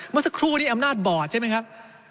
เมื่อสักครู่นี้อำนาจบอร์ดใช่ไหมครับ